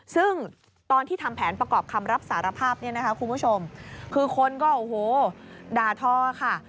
ซึ่งตอนที่ทำแผนประกอบคำรับสารภาพคุณผู้ชมคือคนก็ด่าทอค่ะ